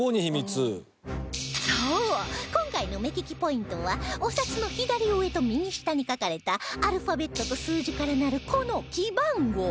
そう今回の目利きポイントはお札の左上と右下に書かれたアルファベットと数字からなるこの記番号